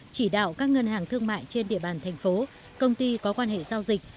chỉ đạo các ngân hàng thương mại trên địa bàn thành phố công ty có quan hệ giao dịch